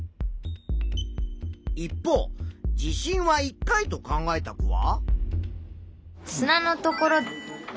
一方地震は１回と考えた子は。